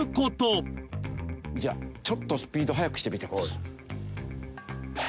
じゃあちょっとスピード速くしてみてください。